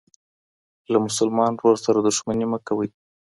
له مسلمان ورور سره دښمني مه کوئ.